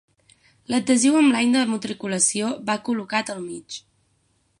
L'adhesiu amb l'any de matriculació va col·locat al mig.